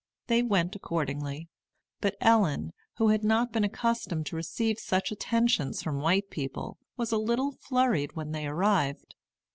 They went accordingly. But Ellen, who had not been accustomed to receive such attentions from white people, was a little flurried when they arrived.